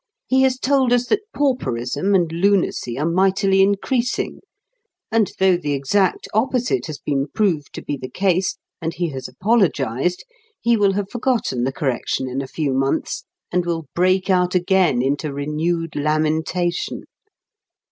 He has told us that pauperism and lunacy are mightily increasing, and though the exact opposite has been proved to be the case and he has apologized, he will have forgotten the correction in a few months, and will break out again into renewed lamentation.